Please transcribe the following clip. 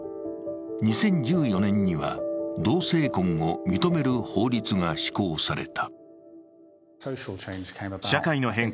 ２０１４年には、同性婚を認める法律が施行された。